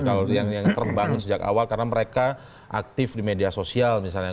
kalau yang terbangun sejak awal karena mereka aktif di media sosial misalnya